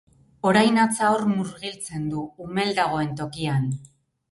Orain hatza hor murgiltzen du, umel dagoen tokian.